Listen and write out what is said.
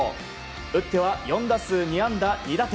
打っては４打数２安打２打点。